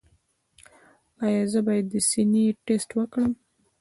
ایا زه باید د سینې ټسټ وکړم؟